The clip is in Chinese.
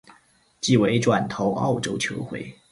季尾转投澳洲球会。